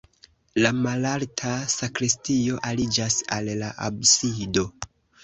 La malalta sakristio aliĝas al la absido.